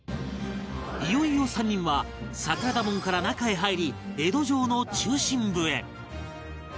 いよいよ３人は桜田門から中へ入り江戸城の中心部へ